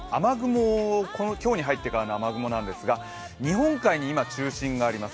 今日に入ってからの雨雲なんですが日本海に今中心があります